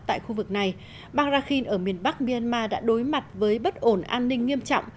tại khu vực này bang rakhin ở miền bắc myanmar đã đối mặt với bất ổn an ninh nghiêm trọng